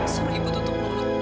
suruh ibu tutup mulut